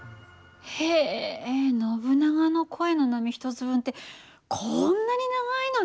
へえノブナガの声の波１つ分ってこんなに長いのね！